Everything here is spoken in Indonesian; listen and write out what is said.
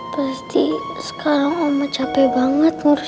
pasti sekarang mama capek banget ngurusin kerjaan